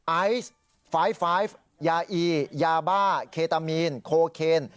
ไอซ์๕๕ยาอียาบ่าเคตามีนโคเคน